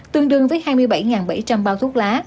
tương đương với hai mươi bảy bảy trăm linh bao thuốc lá